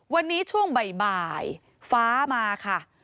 วันนี้ช่วงบ่ายฟ้ามาค่ะ